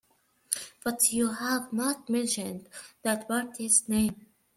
But you have not mentioned that party's name.